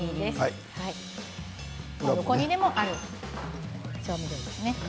どこにでもある調味料ですね。